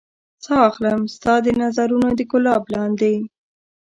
ساه اخلم ستا د نظرونو د ګلاب لاندې